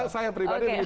saya pribadi begini